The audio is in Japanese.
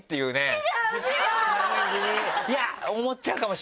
いや思っちゃうかもしれない。